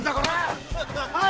はい！